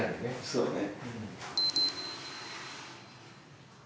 そうね。